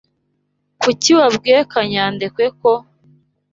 Kuki wabwiye Kanyandekwe ko?